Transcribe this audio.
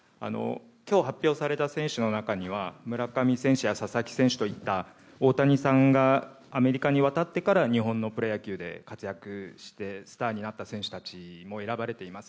今日発表された選手の中には村上選手や佐々木選手といった大谷さんがアメリカに渡ってから日本のプロ野球で活躍してスターになった選手たちも選ばれています。